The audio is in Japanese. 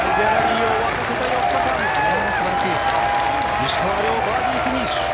石川遼バーディーフィニッシュ！